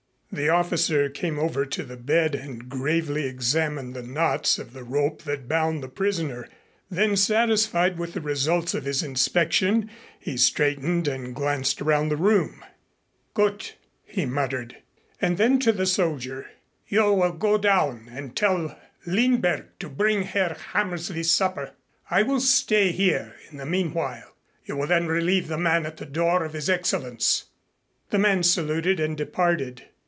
The officer came over to the bed and gravely examined the knots of the rope that bound the prisoner. Then, satisfied with the results of his inspection, he straightened and glanced around the room. "Gut," he muttered. And then to the soldier: "You will go down and tell Lindberg to bring Herr Hammersley's supper. I will stay here in the meanwhile. You will then relieve the man at the door of his Excellenz." The man saluted and departed.